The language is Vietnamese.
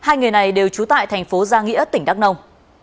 hai người này đều trú tại thành phố gia nghĩa tỉnh đắk nông